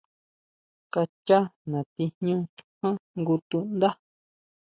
Kachá natí jñú ján jngu tundá.